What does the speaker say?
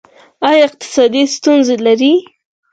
ایا اقتصادي ستونزې لرئ؟